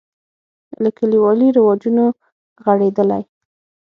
له کلیوالي رواجونو غړېدلی.